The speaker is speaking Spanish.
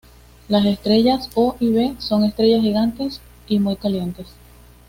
Las estrellas O y B son estrellas gigantes y muy calientes.